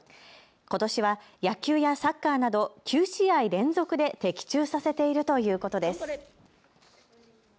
ことしは野球やサッカーなど９試合連続で的中させているということです。